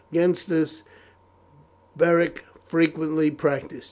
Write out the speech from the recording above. Against this Beric frequently practised.